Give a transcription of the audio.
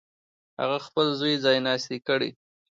هغه خپل زوی ځایناستی کړي.